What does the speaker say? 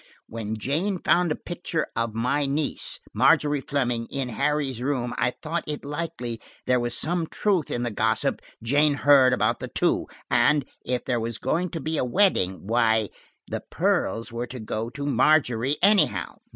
When Jane found a picture of my niece, Margery Fleming, in Harry's room, I thought it likely there was some truth in the gossip Jane heard about the two, and–if there was going to be a wedding–why, the pearls were to go to Margery anyhow.